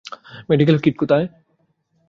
Medical kit কোথায়?